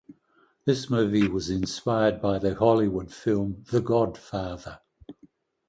This movie was inspired by the Hollywood film "The Godfather".